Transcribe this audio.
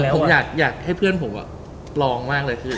ผมอยากให้เพื่อนผมลองมากเลยคือ